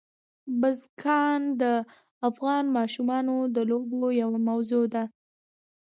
بزګان د افغان ماشومانو د لوبو یوه موضوع ده.